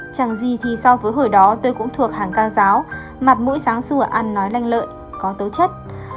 chẳng gì thì so với hồi đó tôi cũng thuộc hàng ca giáo mặt mũi sáng xua ăn nói lanh lợi có tố chất một mươi tám